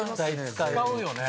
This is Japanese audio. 使うよね。